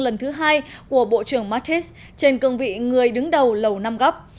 lần thứ hai của bộ trưởng mattis trên cương vị người đứng đầu lầu nam góc